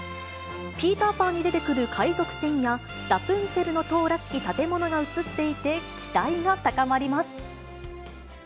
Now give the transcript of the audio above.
ピーターパンに出てくる海賊船や、ラプンツェルの塔らしき建物が映っていて、期待が高まります。